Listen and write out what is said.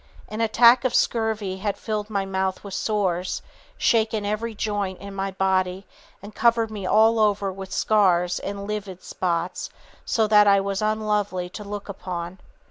An attack of scurvy had filled my mouth with sores, shaken every joint in my body and covered me all over with scars and livid spots, so that I was unlovely to look upon.